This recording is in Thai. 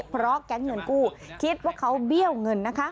เพราะแก๊งเงินกู้คิดว่าเขาเบี้ยวเงินนะคะ